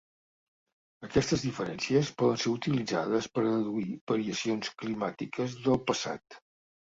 Aquestes diferències poden ser utilitzades per a deduir variacions climàtiques del passat.